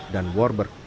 dan warber company